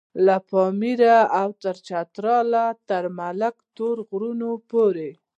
له پاميره او چتراله تر ملک تور غرونو پورې.